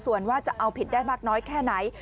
ส่วนว่าจะเอาผิดได้มากน้อยแค่ไหน